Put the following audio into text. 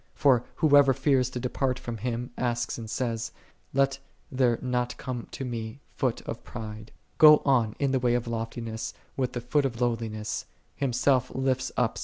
For whoso fears to depart from Him asks and says, " Let there not come to me foot of pride."9 Go on in the way of loftiness with the foot of lowliness; Himself lifteth up such 1 i John i.